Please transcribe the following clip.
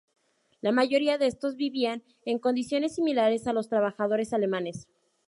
La mayoría de estos vivían en condiciones similares a los trabajadores alemanes.